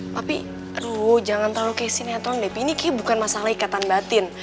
papi aduh jangan terlalu kayak sinetron bebi ini kayaknya bukan masalah ikatan batin